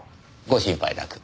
ご心配なく。